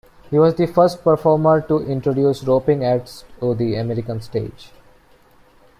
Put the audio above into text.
He was the first performer to introduce roping acts to the American stage.